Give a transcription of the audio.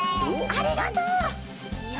ありがとう！よし！